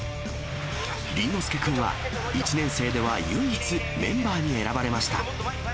倫之亮君は、１年生では唯一、メンバーに選ばれました。